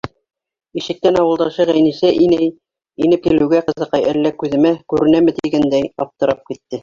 Ишектән ауылдашы Ғәйнисә инәй инеп килеүгә, ҡыҙыҡай әллә күҙемә күренәме тигәндәй, аптырап китте.